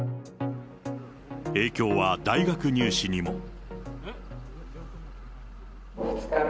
影響は大学入試にも。